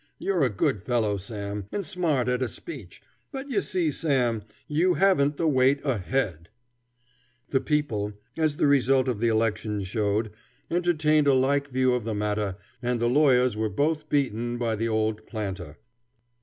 You're a good fellow, Sam, and smart at a speech, but you see, Sam, you haven't the weight o' head." The people, as the result of the election showed, entertained a like view of the matter, and the lawyers were both beaten by the old planter.